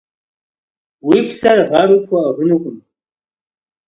Уи псэр гъэру пхуэӏыгъынукъым.